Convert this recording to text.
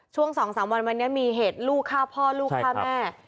ช่วง๒๓วันวันนี้มีเหตุลูกฆ่าพ่อลูกฆ่าแม่